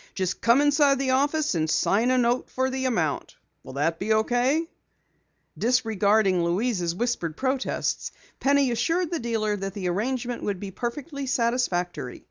Just come inside the office and sign a note for the amount. Will that be okay?" Disregarding Louise's whispered protests, Penny assured the dealer that the arrangement would be perfectly satisfactory.